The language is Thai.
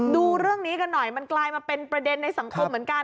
ดูเรื่องนี้กันหน่อยมันกลายมาเป็นประเด็นในสังคมเหมือนกัน